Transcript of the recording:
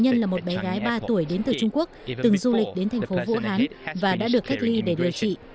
nạn nhân là một bé gái ba tuổi đến từ trung quốc từng du lịch đến thành phố vũ hán và đã được cách ly để điều trị